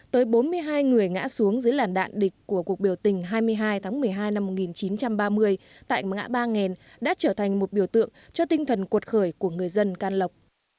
tới bốn mươi hai người ngã xuống dưới làn đạn địch của cuộc biểu tình hai mươi hai tháng một mươi hai năm một nghìn chín trăm ba mươi tại ngã ba nghèn đã trở thành một biểu tượng cho tinh thần cuột khởi của người dân can lộc